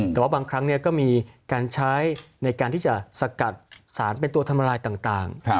แต่ว่าบางครั้งก็มีการใช้ในการที่จะสกัดสารเป็นตัวทำลายต่าง